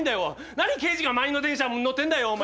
何刑事が満員の電車乗ってんだよお前。